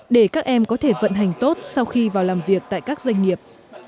để các em có thể vận hành tốt sau khi vào làm việc tại các doanh nghiệp